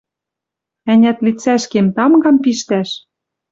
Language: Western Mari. Ӓнят, лицӓшкем тамгам пиштӓш?